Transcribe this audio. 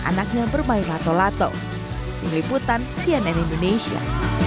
anaknya bermain lato lato pengeliputan cnn indonesia